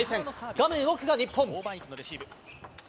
画面奥が日本。